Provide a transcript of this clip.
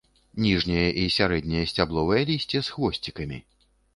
Ніжняе і сярэдняе сцябловае лісце з хвосцікамі.